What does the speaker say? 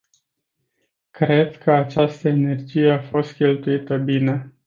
Cred că această energie a fost cheltuită bine.